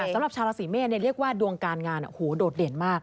สำหรับชาวราศีเมษเรียกว่าดวงการงานโดดเด่นมาก